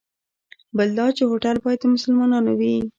بل دا چې هوټل باید د مسلمانانو وي.